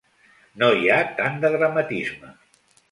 No hi ha tant de dramatisme.